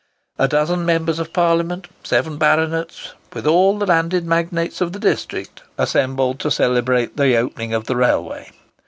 A dozen members of Parliament, seven baronets, with all the landed magnates of the district, assembled to celebrate the opening of the railway.